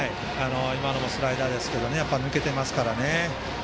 今のもスライダーですがやっぱり抜けていますからね。